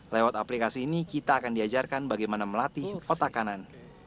lewat aplikasi ini kita akan diajarkan bagaimana melatih otak kanan